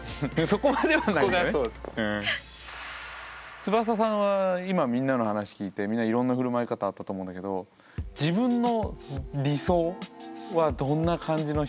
つばささんは今みんなの話聞いてみんないろんな振る舞い方あったと思うんだけど自分の理想はどんな感じの人づきあいになると思う？